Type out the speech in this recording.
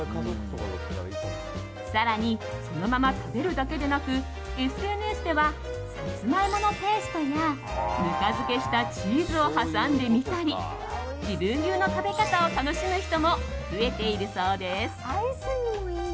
更に、そのまま食べるだけでなくＳＮＳではサツマイモのペーストやぬか漬けしたチーズを挟んでみたり自分流の食べ方を楽しむ人も増えているそうです。